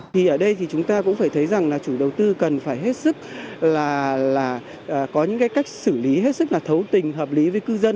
thì ở đây thì chúng ta cũng phải thấy rằng là chủ đầu tư cần phải hết sức là có những cái cách xử lý hết sức là thấu tình hợp lý với cư dân